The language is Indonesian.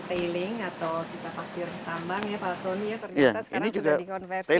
tailing atau kita pasir tambang ya pak tony ya terdiri sekarang juga di konversi